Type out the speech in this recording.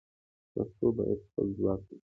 پښتو باید خپل ځواک وساتي.